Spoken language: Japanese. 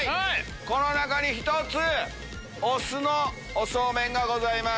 この中に１つお酢のおソーメンがございます。